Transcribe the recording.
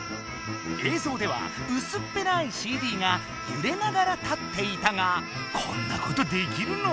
映像ではうすっぺらいＣＤがゆれながら立っていたがこんなことできるの？